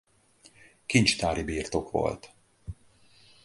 Kincstári birtok volt.